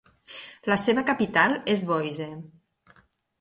La seva capital és Boise.